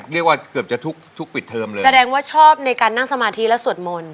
เรียกว่าเกือบจะทุกทุกปิดเทอมเลยแสดงว่าชอบในการนั่งสมาธิและสวดมนต์